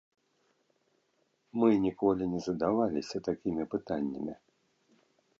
Мы ніколі не задаваліся такімі пытаннямі.